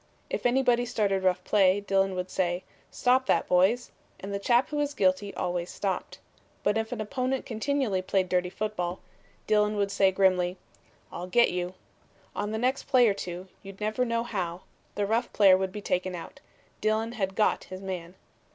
If anybody started rough play, Dillon would say: "Stop that, boys!" and the chap who was guilty always stopped. But if an opponent continually played dirty football, Dillon would say grimly: "I'll get you!" On the next play or two, you'd never know how, the rough player would be taken out. Dillon had "got" his man.